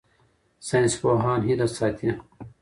ساینسپوهان هیله ساتي.